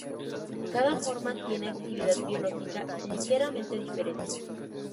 Cada forma tiene actividad biológica ligeramente diferente.